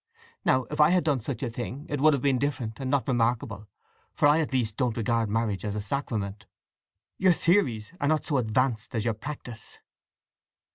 Now if I had done such a thing it would have been different, and not remarkable, for I at least don't regard marriage as a sacrament. Your theories are not so advanced as your practice!"